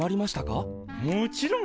もちろん！